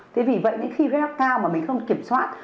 thế vì vậy những khi huyết áp cao mà mình không kiểm soát